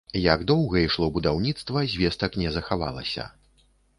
Як доўга ішло будаўніцтва, звестак не захавалася.